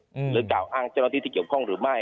หรือกล่าวอ้างเศร้าหน้าระทิสิทธิ์เกี่ยวข้องหรือไม่